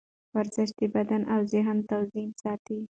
ورزش د بدن او ذهن توازن ساتي.